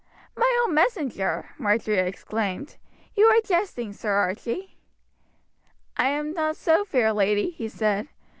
"My own messenger!" Marjory exclaimed. "You are jesting, Sir Archie." "I am not so, fair lady," he said.